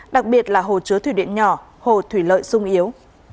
đặc biệt là hồ chứa thủy điện nhỏ hồ thủy lợi sung yếu